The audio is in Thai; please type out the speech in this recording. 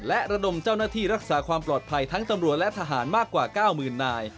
และระดมเจ้าหน้าที่รักษาความปลอดภัยทั้งตำรวจและทหารมากกว่า๙๐๐นาย